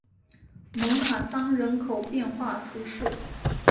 蒙卡桑人口变化图示